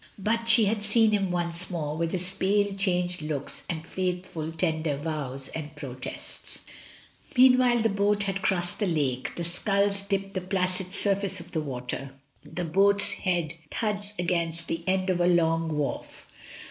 But she had seen him once more, with his pale, changed looks and faithful tender vows and pro tests. Meanwhile the boat has crossed the lake, the sculls dip the placid surface of the water, the boat's head thuds against the end of a long wharf.